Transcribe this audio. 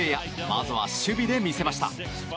まずは守備で見せました。